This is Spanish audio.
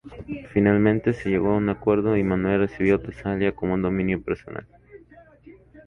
Finalmente, se llegó a un acuerdo y Manuel recibió Tesalia como un dominio personal.